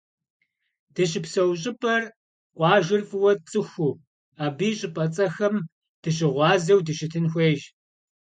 Дыщыпсэу щӏыпӏэр, къуажэр фӏыуэ тцӏыхуу, абы и щӏыпӏэцӏэхэм дыщыгъуазэу дыщытын хуейщ.